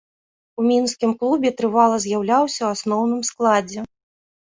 У мінскім клубе трывала з'яўляўся ў асноўным складзе.